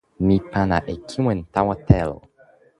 mi pana e kiwen tawa telo.